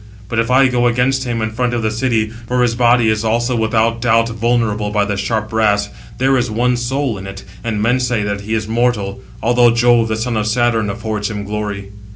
But if I go against him in front of the city—for his body also is without doubt vulnerable by the sharp brass, there is one soul in it, and men say that he is mortal; although Jove, the son of Saturn, affords him glory."